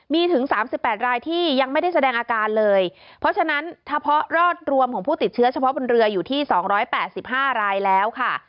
มีถึง๓๘รายที่ยังไม่ได้แสดงอาการเลยเพราะฉะนั้นเฉพาะรอดรวมของผู้ติดเชื้อเฉพาะบนเรืออยู่ที่๒๘๕รายแล้วค่ะ